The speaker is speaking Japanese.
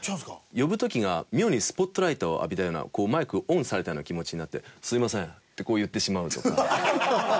呼ぶ時が妙にスポットライトを浴びたようなマイクをオンされたような気持ちになって「すいません」ってこう言ってしまうとか。